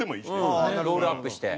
うんロールアップして。